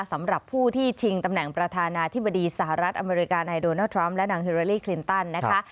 สำหรับผู้ที่ชิงตำแหน่งประธานาธิบดีสหรัฐอเมริกานายโดนัลดทรัมป์และนางฮิลาลี่คลินตันนะคะ